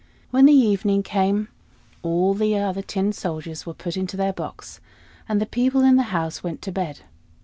When the evening came all the other tin soldiers were put into their box, and the people in the house went to bed.